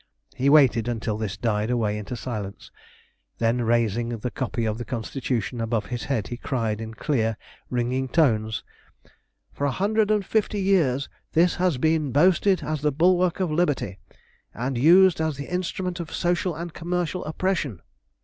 He waited until this died away into silence, then, raising the copy of the Constitution above his head, he cried in clear ringing tones "For a hundred and fifty years this has been boasted as the bulwark of liberty, and used as the instrument of social and commercial oppression.